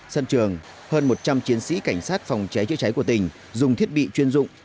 sân trường hơn một trăm linh chiến sĩ cảnh sát phòng cháy chữa cháy của tỉnh dùng thiết bị chuyên dụng